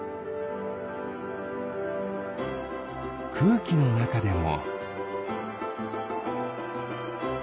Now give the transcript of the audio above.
くうきのなかでも。